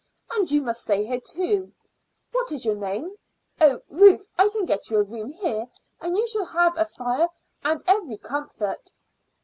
And you must stay here too what is your name? Oh, Ruth. I can get you a room here, and you shall have a fire and every comfort."